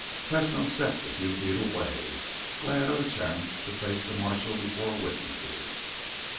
Tesno stepped a few feet away, glad of a chance to face the marshal before witnesses.